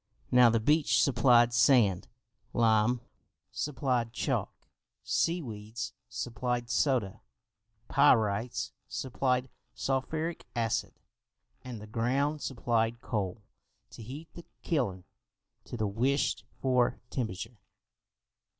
Now the beach supplied sand, lime supplied chalk, sea weeds supplied soda, pyrites supplied sulphuric acid and the ground supplied coal to heat the kiln to the wished for temperature.